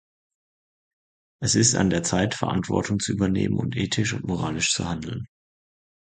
Es ist an der Zeit, Verantwortung zu übernehmen und ethisch und moralisch zu handeln.